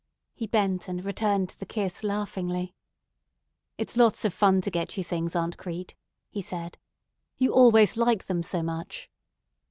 He bent and returned the kiss laughingly. "It's lot of fun to get you things, Aunt Crete," he said; "you always like them so much."